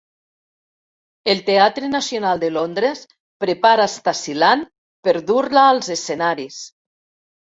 El Teatre Nacional de Londres prepara Stasiland per dur-la als escenaris.